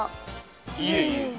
いえいえ。